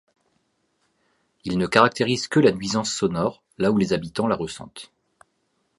Ils ne caractérisent que la nuisance sonore, là où les habitants la ressentent.